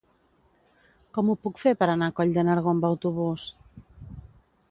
Com ho puc fer per anar a Coll de Nargó amb autobús?